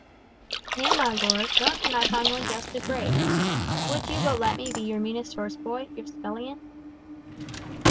"Nay, my lord, nor can I find one jest to break! Would you but let me be your meanest horse boy, your scullion!"